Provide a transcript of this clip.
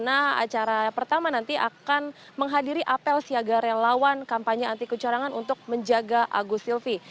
bagaimana acara pertama nanti akan menghadiri apel siaga relawan kampanye anti kecurangan untuk menjaga agus silvi